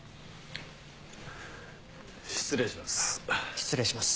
失礼します。